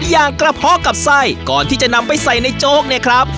อย่างกระเพาะกับไส้ก่อนที่จะนำไปใส่ในโจ๊กเนี่ยครับ